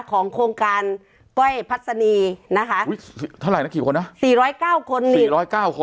ของโครงการก้อยพัฒนีนะคะอุ้ยเท่าไรนะกี่คนนะสี่ร้อยเก้าคนสี่ร้อยเก้าคน